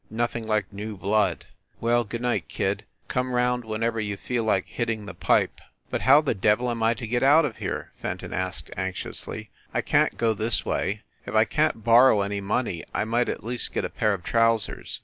Nothing like new blood. Well, good night, kid. Come round whenever you feel like hitting the pipe." "But how the devil am I to get out of here ?" Fen ton asked anxiously. "I can t go this way. If I can t borrow any money I might at least get a pair of trousers."